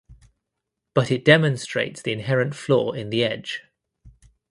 But it demonstrates the inherent flaw in the Edge.